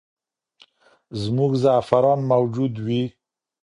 زموږ زعفران موجود وي.